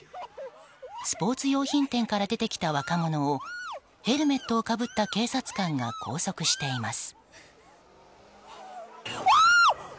スポーツ用品店から出てきた若者をヘルメットをかぶった警察官が拘束しています。